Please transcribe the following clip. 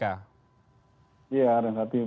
ya ada yang katakan